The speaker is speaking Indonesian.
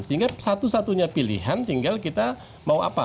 sehingga satu satunya pilihan tinggal kita mau apa